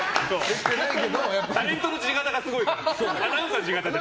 タレントの地肩がすごいから。